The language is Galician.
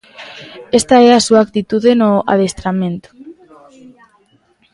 Esta é a súa actitude no adestramento.